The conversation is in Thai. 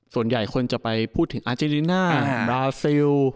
ส่วนใหญ่คนจะไปพูดถึงอาเจริน่าบราซิล